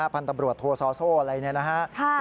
พันธบรวจโทโซโซอะไรนะ